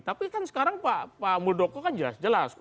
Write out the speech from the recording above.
tapi kan sekarang pak muldoko kan jelas jelas